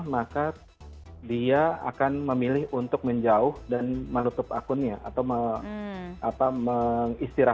maka dia akan memilih untuk menjauh dan menutup akunnya